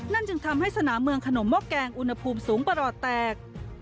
จึงทำให้สนามเมืองขนมหม้อแกงอุณหภูมิสูงประหลอดแตก